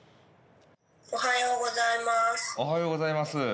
おはようございます。